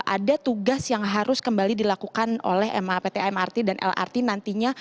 ada tugas yang harus kembali dilakukan oleh mapt mrt dan lrt nantinya